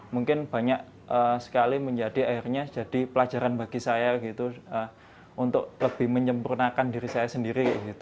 mungkin banyak sekali menjadi akhirnya jadi pelajaran bagi saya untuk lebih menyempurnakan diri saya sendiri